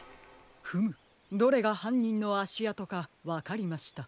フムどれがはんにんのあしあとかわかりました。